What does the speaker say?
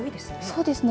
そうですね。